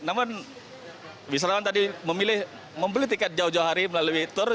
namun wisatawan tadi memilih membeli tiket jauh jauh hari melalui tur